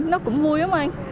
nó cũng vui lắm anh